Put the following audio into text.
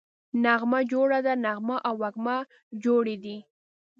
نغمه جوړه ده → نغمه او وږمه جوړې دي